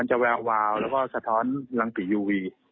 จะวราวและความสะท้อนกับรังปิอียูวี